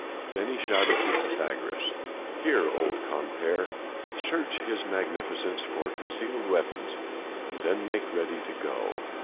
Then he shouted to Pythagoras. "Here, old compeer! search his Magnificence for concealed weapons, and then make ready to go.